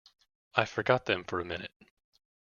I forgot them for a minute.